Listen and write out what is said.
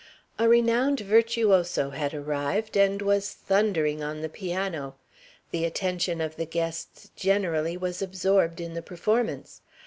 A renowned "virtuoso" had arrived, and was thundering on the piano. The attention of the guests generally was absorbed in the performance.